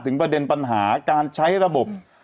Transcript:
ประเด็นปัญหาการใช้ระบบ